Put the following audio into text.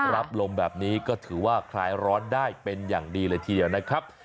รับลมแบบนี้ก็ถือว่าคลายร้อนได้เป็นอย่างดีเลยทีเดียวนะครับ